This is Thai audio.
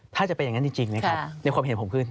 ถ้าจะเป็นอย่างนั้นจริงนะครับในความเห็นผมคือ